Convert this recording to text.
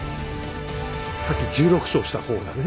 さっき１６勝した方だね。